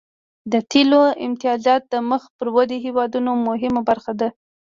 د تیلو امتیازات د مخ پر ودې هیوادونو مهمه برخه ده